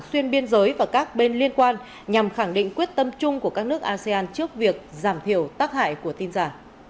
xuyên biên giới và các bên liên quan nhằm khẳng định quyết tâm chung của các nước asean trước việc giảm thiểu tác hại của tin giả